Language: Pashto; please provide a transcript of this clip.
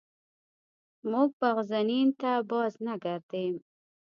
موږ بغزنین ته بازنګردیم.